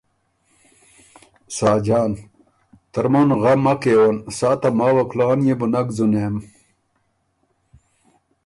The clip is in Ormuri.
ساجان ـــ ترمُن غم مک کېون، سا ته ماوه کلان يې بو نک ځُونېم